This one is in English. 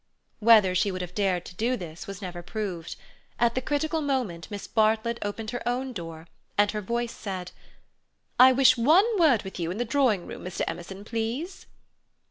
Whether she would have dared to do this was never proved. At the critical moment Miss Bartlett opened her own door, and her voice said: "I wish one word with you in the drawing room, Mr. Emerson, please."